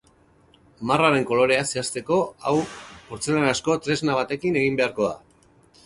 Marraren kolorea zehazteko hau portzelanazko tresna batekin egin beharko da.